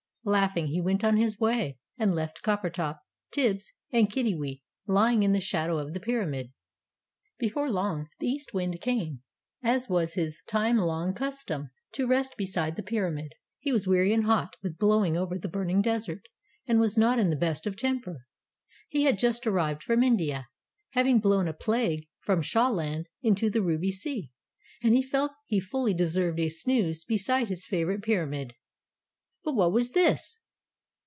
Laughing, he went on his way, and left Coppertop, Tibbs and Kiddiwee lying in the shadow of the Pyramid. Before long the East Wind came as was his time long custom to rest beside the Pyramid. He was weary and hot with blowing over the burning desert, and was not in the best of temper. He had just arrived from India, having blown a plague from Shah Land into the Ruby Sea, and he felt that he fully deserved a snooze beside his favourite Pyramid. But what was this?